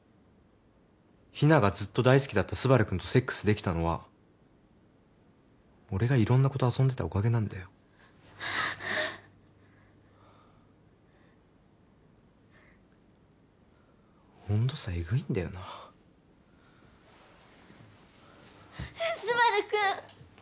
ヒナがずっと大好きだったスバルくんとセックスできたのは俺が色んな子と遊んでたおかげなんだよ温度差えぐいんだよなスバルくん！